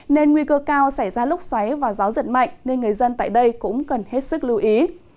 nên nguy cơ cao xảy ra lúc xoáy và gió giật mạnh nên người dân tại đây cũng cần hết sức lưu ý